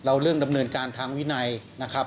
เรื่องดำเนินการทางวินัยนะครับ